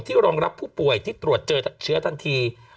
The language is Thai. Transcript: รองรับผู้ป่วยที่ตรวจเจอเชื้อทันที